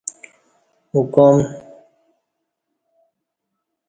اوکام